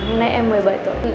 hôm nay em một mươi bảy tuổi